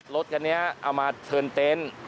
รถคันนี้เอามาเทินเต็นต์